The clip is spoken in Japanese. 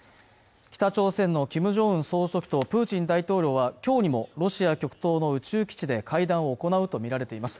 北朝鮮のキム・ジョンウン総書記とプーチン大統領は今日にもロシア極東の宇宙基地で会談を行うとみられています